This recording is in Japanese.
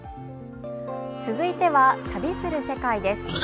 続いては「旅する世界」です。